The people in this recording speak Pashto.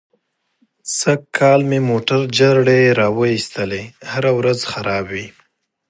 سږ کال مې موټر جرړې را و ایستلې. هره ورځ خراب وي.